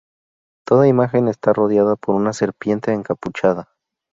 Toda imagen está rodeada por una serpiente encapuchada.